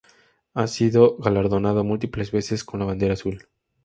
Ha sido galardona múltiples veces con la Bandera Azul.